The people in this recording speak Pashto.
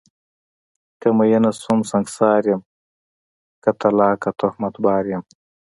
که میینه شوم سنګسار یم، که طلاقه تهمت بار یم